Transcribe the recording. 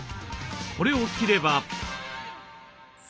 これを切れば。